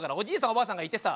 おばあさんがいてさ。